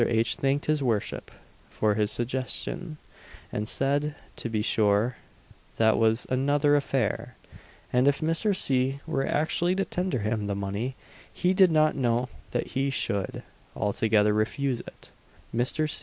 H. thanked his worship for his suggestion, and said to be sure that was another affair and if Mr. C. were actually to tender him the money he did not know that he should, altogether, refuse it. Mr.